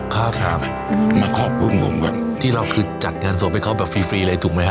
ครับครับมาขอบคุณผมก่อนที่เราคือจัดงานศพให้เขาแบบฟรีฟรีเลยถูกไหมครับ